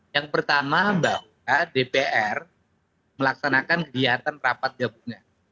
yang pertama bahwa dpr melaksanakan kegiatan rapat gabungan